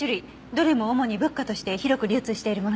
どれも主に仏花として広く流通しているものでした。